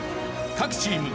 各チーム